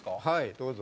どうぞ。